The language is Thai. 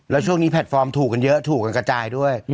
แล้วช่วงนี้แพลตฟอร์มถูกกันเยอะถูกกันกระจายด้วย